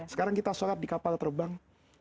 sekarang kita sholat di kapal terbang